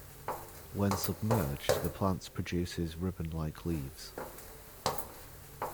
When submerged, the plant produces ribbon-like leaves.